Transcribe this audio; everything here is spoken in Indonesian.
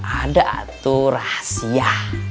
ada atu rahasia